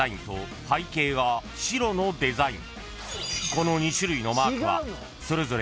［この２種類のマークはそれぞれ］